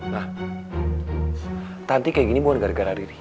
ma tanti kayak gini bukan gara gara riri